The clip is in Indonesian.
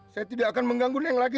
saya tidak akan mengganggu neng lagi